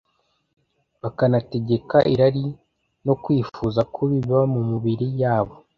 bakanategeka irari no kwifuza kubi biba mu mibiri yabo?